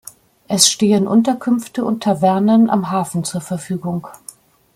Es stehen Unterkünfte und Tavernen am Hafen zur Verfügung.